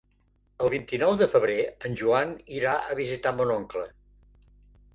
El vint-i-nou de febrer en Joan irà a visitar mon oncle.